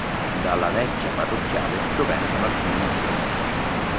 Dalla vecchia parrocchiale provengono alcuni affreschi.